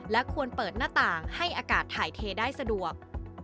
ควรเปิดหน้าต่างให้อากาศถ่ายเทได้สะดวก